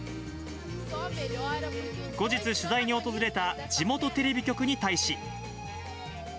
後日、取材に訪れた地元テレビ局に対し。